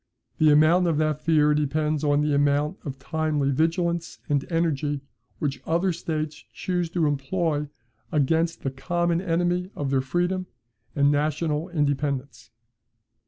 The amount of that fear depends on the amount of timely vigilance and energy which other states choose to employ against the common enemy of their freedom and national independence.